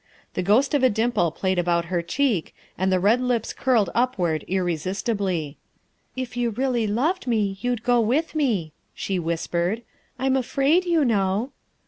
The ghost of a dimple played about her cheek and the red lips curled upward irresistibly. " If you really loved me, you'd go with me," she whispered. "I'm afraid, you know."